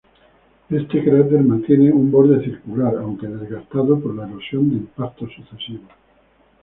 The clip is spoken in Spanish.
Este cráter mantiene un borde circular, aunque desgastado por la erosión de impactos sucesivos.